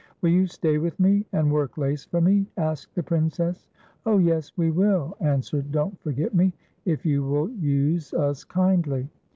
" Will you stay with me and work lace for me ?" asked the Princess. "Oh yes; we will," answered Don't Forget Me, "if you will use us kindly."